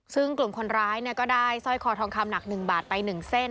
ซึ่งกลุ่มคนร้ายก็ได้สร้อยคอทองคำหนัก๑บาทไป๑เส้น